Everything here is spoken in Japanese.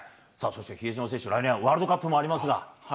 そして比江島選手、来年はワールドカップもありますが。